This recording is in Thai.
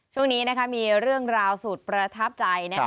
ช่วงนี้มีเรื่องราวสุดประทับใจ